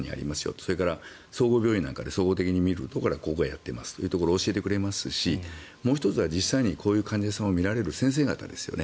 それから総合病院なんかで総合的に診るところはここがやってますということを教えてくれますしもう１つは実際にこういう患者さんを診られる先生方ですよね。